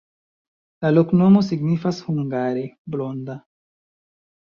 La loknomo signifas hungare: blonda.